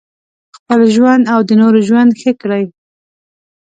خپل ژوند او د نورو ژوند ښه کړي.